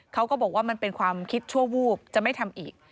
เขาก็บอกว่ามันเป็นความคิดชั่ววูบจะไม่ทำอีก